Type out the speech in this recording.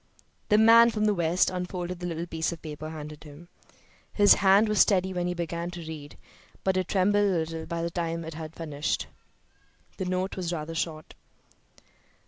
The man from the West unfolded the little piece of paper handed him. His hand was steady when he began to read, but it trembled a little by the time he had finished. The note was rather short.